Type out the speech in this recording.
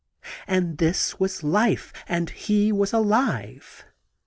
And this was life! And he was alive!